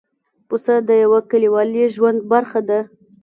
پسه د یوه کلیوالي ژوند برخه ده.